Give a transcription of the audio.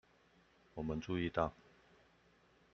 我們注意到